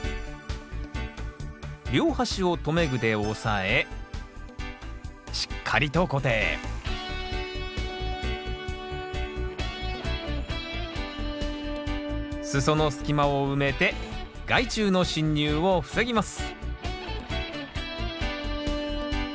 両端を留め具で押さえしっかりと固定裾の隙間を埋めて害虫の侵入を防ぎます